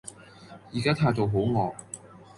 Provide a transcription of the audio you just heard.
而家態度好惡